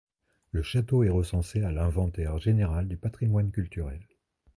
Le château est recensé à l'inventaire général du patrimoine culturel.